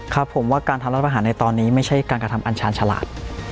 ครับผมว่าการทำรัฐประหารในตอนนี้ไม่ใช่การกระทำอันชาญฉลาด